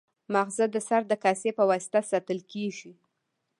ماغزه د سر د کاسې په واسطه ساتل کېږي.